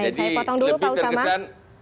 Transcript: jadi lebih terkesan